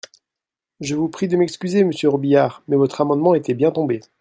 Je vous prie de m’excuser, monsieur Robiliard, mais votre amendement était bien tombé.